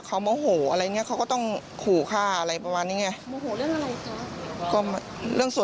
เลิกกันนานเดียวไหมน้อง